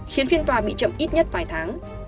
khiến phiên tòa bị chậm ít nhất vài tháng